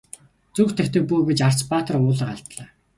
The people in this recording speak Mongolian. Зүрх тахидаг бөө гэж Арц баатар уулга алдлаа.